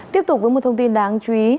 tiếp tục với một thông tin đáng chú ý